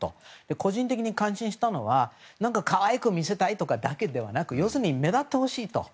個人的に感心したのは可愛く見せたいとかだけではなくて要するに目立ってほしいと。